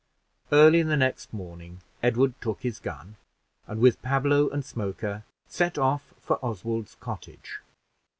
Early the next morning Edward took his gun, and, with Pablo and Smoker, set off for Oswald's cottage.